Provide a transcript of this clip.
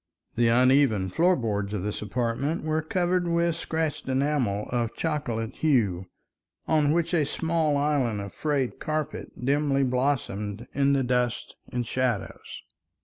The uneven floor boards of this apartment were covered with scratched enamel of chocolate hue, on which a small island of frayed carpet dimly blossomed in the dust and shadows.